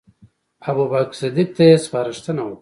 ابوبکر صدیق ته یې سپارښتنه وکړه.